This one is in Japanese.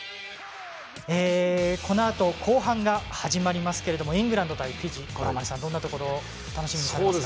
このあと、後半が始まりますけどイングランド対フィジー五郎丸さん、どんなところを楽しみにされますか？